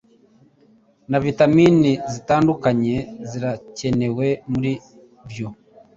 na vitamin zitandukanye zirakenewe Muri byo